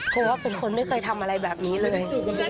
เพราะว่าเป็นคนไม่เคยทำอะไรแบบนี้เลย